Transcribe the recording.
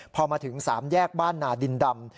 พอมาถึง๓แยกบ้านนาดินดำ